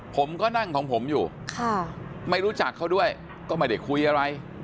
ผมก็นั่งของผมอยู่ไม่รู้จักเขาด้วยก็ไม่ได้คุยอะไร